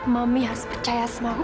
mami harus percaya sama